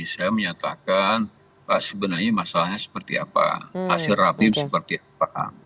saya menyatakan sebenarnya masalahnya seperti apa hasil rapim seperti apa